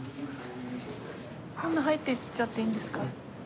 こんな入っていっちゃっていいんですか？